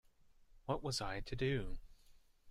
What was I to do?